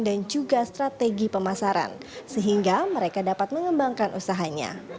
dan juga strategi pemasaran sehingga mereka dapat mengembangkan usahanya